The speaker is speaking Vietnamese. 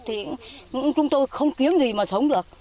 thì chúng tôi không kiếm gì mà sống được